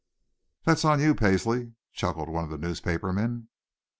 "That's on you, Paisley!" chuckled one of the newspaper men.